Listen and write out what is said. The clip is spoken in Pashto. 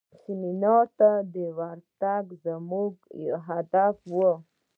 سیمینار ته ورتګ زموږ یو هدف و.